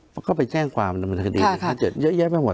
แล้วก็ไปแจ้งความมนุมแคดีกสเจ็ดเยอะแยะไปหมด